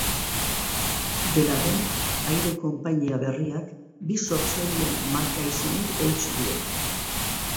Dena den, aire-konpainia berriak bi sortzaileen marka-izenei eutsi die.